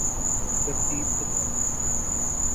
ترتیب پسند ہوں